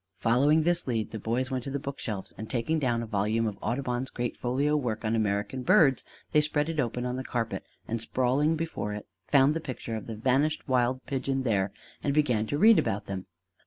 Following this lead, the boys went to the book shelves, and taking down a volume of Audubon's great folio work on American Birds, they spread it open on the carpet and, sprawling before it, found the picture of the vanished wild pigeon there, and began to read about him.